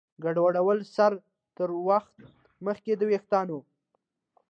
ګډوډولو سره تر وخت مخکې د ویښتانو